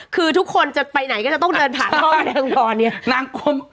คือทุกคนจะไปไหนก็จะต้องเดินผ่านห้องดังเนี่ย